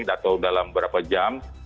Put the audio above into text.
atau dalam berapa jam